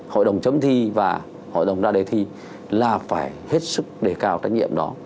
hội đồng chấm thi và hội đồng ra đề thi là phải hết sức đề cao trách nhiệm đó